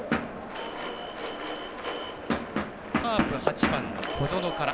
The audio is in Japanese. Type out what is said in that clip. カープ、８番の小園から。